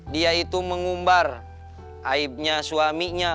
dia itu mengumbar aibnya suaminya